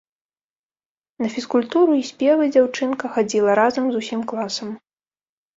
На фізкультуру і спевы дзяўчынка хадзіла разам з усім класам.